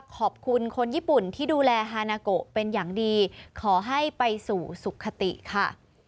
ขอบคุณคนญี่ปุ่นที่ดูแลฮานาโกะเป็นอย่างดีขอให้ไปสู่สุขติค่ะ